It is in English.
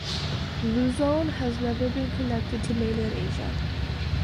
Luzon has never been connected to mainland Asia.